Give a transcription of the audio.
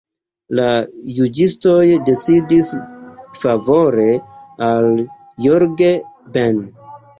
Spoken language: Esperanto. La juĝistoj decidis favore al Jorge Ben.